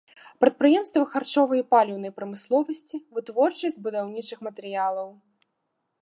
Прадпрыемствы харчовай і паліўнай прамысловасці, вытворчасць будаўнічых матэрыялаў.